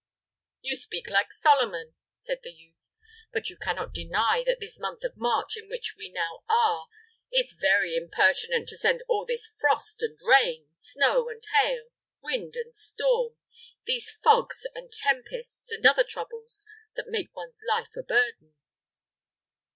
"You speak like Solomon!" said the youth; "but you cannot deny that this month of March, in which we now are, is very impertinent to send all this frost and rain, snow and hail, wind and storm, these fogs and tempests and other troubles, that make one's life a burden."